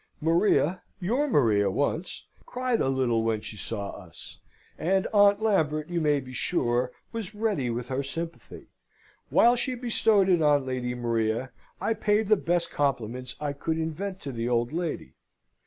"Maria, your Maria once, cried a little when she saw us; and Aunt Lambert, you may be sure, was ready with her sympathy. While she bestowed it on Lady Maria, I paid the best compliments I could invent to the old lady.